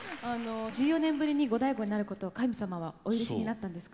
１４年ぶりにゴダイゴになることを神様はお許しになったんですか？